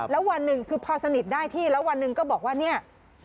แล้ววันหนึ่งคือพอสนิทได้ที่แล้ววันหนึ่งก็บอกว่าเนี่ย